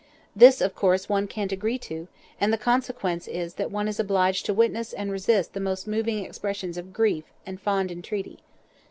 This, of course, one can't agree to, and the consequence is that one is obliged to witness and resist the most moving expressions of grief and fond entreaty.